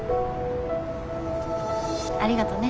ありがとね。